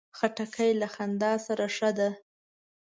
خټکی له خندا سره ښه ده.